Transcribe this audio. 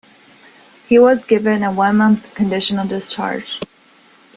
He was given a one-month conditional discharge.